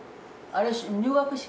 あれ入学式。